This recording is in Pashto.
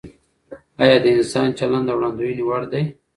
آیا د انسان چلند د وړاندوینې وړ دی؟